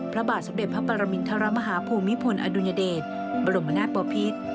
พระบาทสมเด็จพระปรมินทรมาฮาภูมิพลอดุญเดชบรมนาศปภิษ